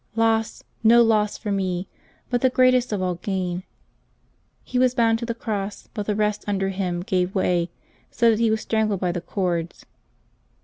Loss — no loss for me, but the greatest of all gain !" He was bound to the cross, but the rest under him gave way, so that he was strangled by the cords.